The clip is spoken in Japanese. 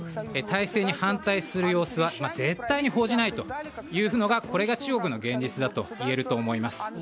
体制に反対する様子は絶対に報じないというのが中国の現実だといえると思います。